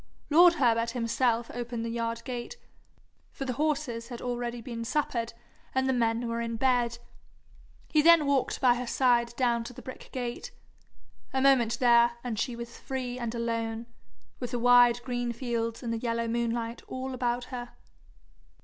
Lord Herbert himself opened the yard gate, for the horses had already been suppered, and the men were in bed. He then walked by her side down to the brick gate. A moment there, and she was free and alone, with the wide green fields and the yellow moonlight all about her.